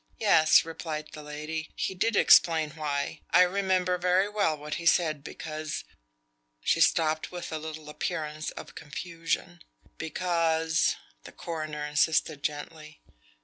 "Yes," replied the lady, "he did explain why. I remember very well what he said, because " she stopped with a little appearance of confusion. "Because " the coroner insisted gently.